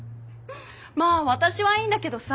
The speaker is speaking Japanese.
まあ私はいいんだけどさ